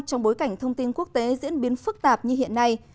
trong bối cảnh thông tin quốc tế diễn biến phức tạp như hiện nay